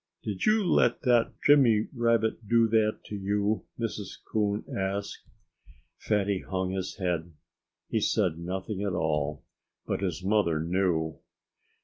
"Did you let that Jimmy Rabbit do that to you?" Mrs. Coon asked. Fatty hung his head. He said nothing at all. But his mother knew.